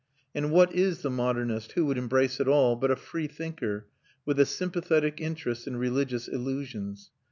And what is the modernist, who would embrace it all, but a freethinker, with a sympathetic interest in religious illusions?